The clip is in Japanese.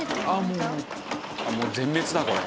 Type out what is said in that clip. もう全滅だこれ。